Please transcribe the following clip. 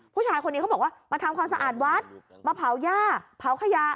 ผู้ชายคนนี้เขาบอกว่ามาทำความสะอาดวัดมาเผาย่าเผาขยะ